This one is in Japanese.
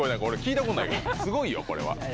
スゴいよこれは。